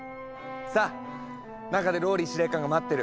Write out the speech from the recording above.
さあ中でＲＯＬＬＹ司令官が待ってる。